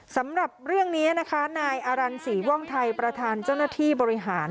สำหรับเรื่องนี้นะคะนายอารันศรีว่องไทยประธานเจ้าหน้าที่บริหาร